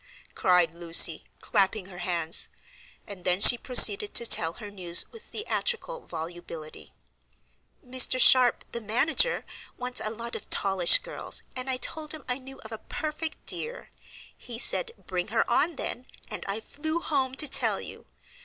cried Lucy, clapping her hands; and then she proceeded to tell her news with theatrical volubility. "Mr. Sharp, the manager, wants a lot of tallish girls, and I told him I knew of a perfect dear. He said: 'Bring her on, then,' and I flew home to tell you.